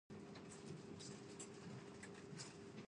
这就是你龙哥呀